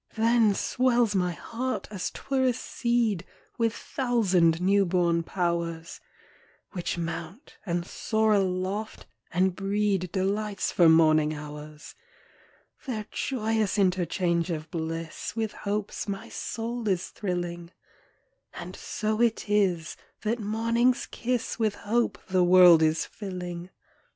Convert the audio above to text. Then swells my heart, as 'twere a seed. With thousand new bom powers; Which mount, and soar aloft, and breed Delights for morning hours. Their joyous interchange of bliss, With hopes my soul. is thrilling; And so it is that morning's kiss With hope the world is filling.